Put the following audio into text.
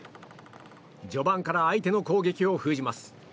序盤から相手の攻撃を封じます。